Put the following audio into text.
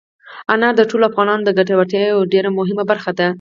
انار د ټولو افغانانو د ګټورتیا یوه ډېره مهمه برخه ده.